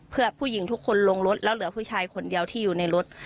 เพื่อผู้หญิงทุกคนลงรถแล้วเหลือผู้ชายคนเดียวที่อยู่ในรถ